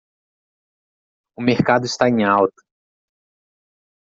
O mercado está em alta.